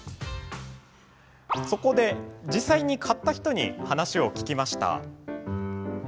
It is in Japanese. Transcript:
そこで実際に買った人に話を聞きました。